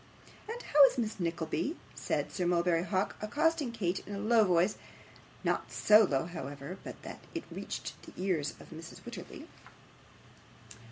'And how is Miss Nickleby?' said Sir Mulberry Hawk, accosting Kate, in a low voice not so low, however, but that it reached the ears of Mrs Wititterly.